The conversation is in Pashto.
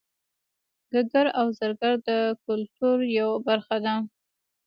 ګګر او زرګر د کولتور یوه برخه دي